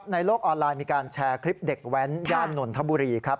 โลกออนไลน์มีการแชร์คลิปเด็กแว้นย่านนทบุรีครับ